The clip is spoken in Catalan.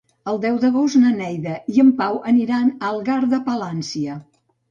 El deu d'agost na Neida i en Pau aniran a Algar de Palància.